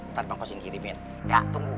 ntar mang kosim kirimin ya tunggu